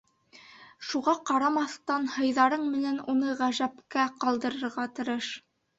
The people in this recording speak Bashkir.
Шуға ҡарамаҫтан, һыйҙарың менән уны ғәжәпкә ҡалдырырға тырыш.